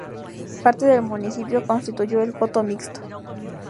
Parte del municipio constituyó el Coto Mixto.